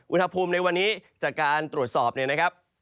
อุณหภูมิในวันนี้จากการตรวจสอบเนี่ยนะครับ